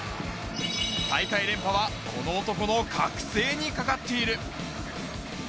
大会連覇はこの男の覚醒にかかっている。